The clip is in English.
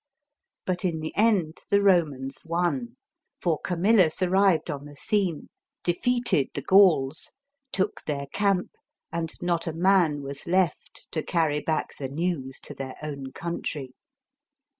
But in the end the Romans \fron ; for Camillus arrived on the scene, defeated the Gauls, took their 154 ROMANS AND GREEKS. [B.C. 281. camp, and not a man was left to carry back the news to their own country.